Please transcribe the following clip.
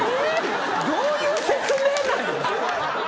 どういう説明なん？